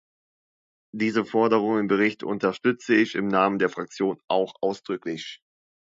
Diese Forderungen im Bericht unterstütze ich im Namen der Fraktion auch ausdrücklich.